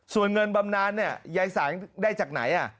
ส่วนเงินบำนานเนี่ยยายสางได้จากไหน